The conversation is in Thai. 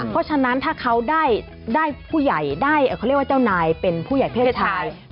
เพราะฉะนั้นถ้าเขาได้ผู้ใหญ่ได้เขาเรียกว่าเจ้านายเป็นผู้ใหญ่เพศชาย